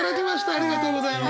ありがとうございます。